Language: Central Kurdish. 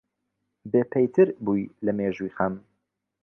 بێپەیتر بووی لە مێژووی خەم